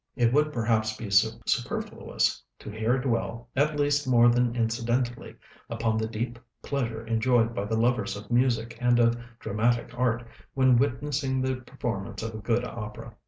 It would perhaps be superfluous to here dwell, at least more than incidentally, upon the deep pleasure enjoyed by the lovers of music and of dramatic art when witnessing the performance of a good opera.